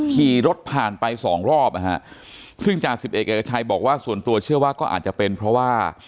ที่รถผ่านไป๒รอบซึ่งจารย์๑๑แอร์ชัยบอกว่าส่วนตัวเชื่อว่าก็อาจจะเป็นเพราะว่า